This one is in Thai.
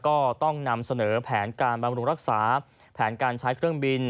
ก็ต้องนำเสนอแผนการบำรุงรักษาแผนการใช้เครื่องบิน